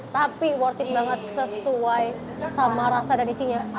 tapi worth it banget sesuai sama rasa dan isinya